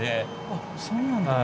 あっそうなんだ。